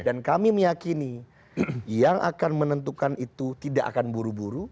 dan kami meyakini yang akan menentukan itu tidak akan buru buru